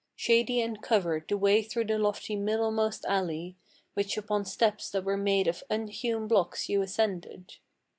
Shady and covered the way through the lofty middlemost alley, Which upon steps that were made of unhewn blocks you ascended.